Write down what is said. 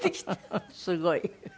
すごい。